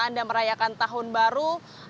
anda merayakan tahun baru